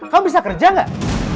kamu bisa kerja nggak